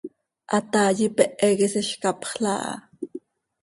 Hataai ipehe quih isizcapxla aha.